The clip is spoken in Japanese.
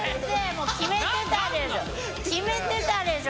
もう決めてたでしょ！